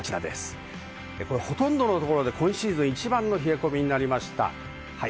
ほとんどのところで今シーズン、一番の冷え込みになりました。